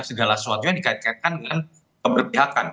segala sesuatu yang dikaitkan dengan keberpihakan